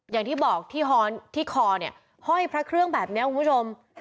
อย่างที่บอกที่คอเนี่ยห้อยพระเครื่องแบบนี้คุณผู้ชม